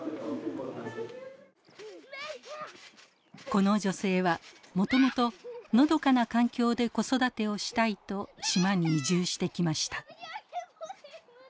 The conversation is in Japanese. この女性はもともとのどかな環境で子育てをしたいと島に移住してきました。